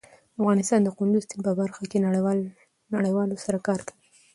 افغانستان د کندز سیند په برخه کې نړیوالو سره کار کوي.